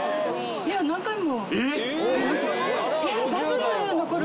いや何回も。